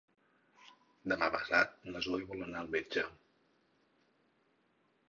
Demà passat na Zoè vol anar al metge.